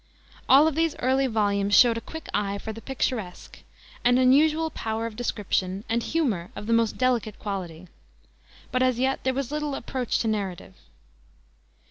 All of these early volumes showed a quick eye for the picturesque, an unusual power of description, and humor of the most delicate quality; but as yet there was little approach to narrative.